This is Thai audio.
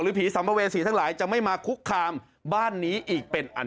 หรือผี